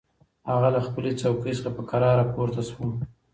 هغه له خپلې څوکۍ څخه په کراره پورته شوه.